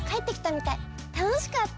たのしかった。